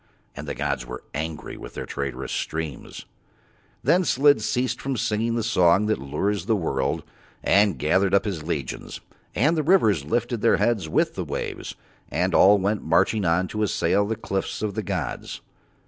And the gods were angry with Their traitorous streams. Then Slid ceased from singing the song that lures the world, and gathered up his legions, and the rivers lifted up their heads with the waves, and all went marching on to assail the cliffs of the gods.